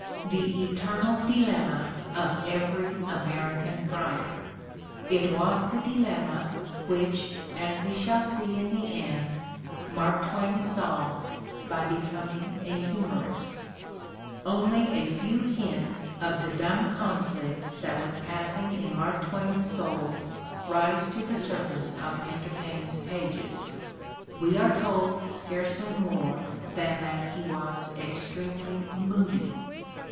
The eternal dilemma of every American writer ! It was the dilemma which, as we shall see in the end, Mark Twain solved by becoming a humorist. Only a few hints of the dumb conflict that was passing in Mark Twain's soul rise to the surface of Mr. Paine 's pages. We are told scarcely more than that he was extremely moody.